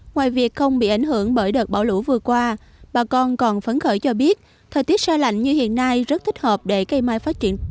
ngoài việc không bị ảnh hưởng bởi đợt bão lũ vừa qua bà con còn phấn khởi cho biết thời tiết xa lạnh như hiện nay rất thích hợp để cây mai phát triển tốt đẹp